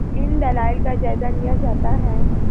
ان دلائل کا جائزہ لیا جاتا ہے۔